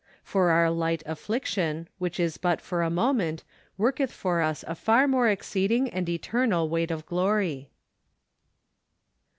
" For our light affliction , xchich is but for a moment, worketh for us afar more exceeding and eternal weight of glory."